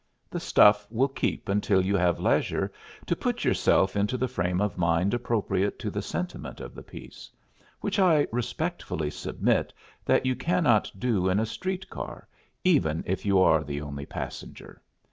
The stuff will keep until you have leisure to put yourself into the frame of mind appropriate to the sentiment of the piece which I respectfully submit that you cannot do in a street car, even if you are the only passenger.